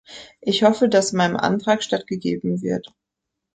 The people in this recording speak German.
Ich hoffe, dass meinem Antrag stattgegeben wird.